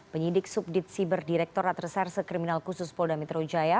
penyidik subdit siber direkturat reserse kriminal khusus polda metro jaya